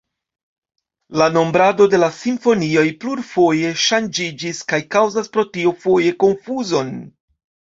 La nombrado de la simfonioj plurfoje ŝanĝiĝis kaj kaŭzas pro tio foje konfuzon.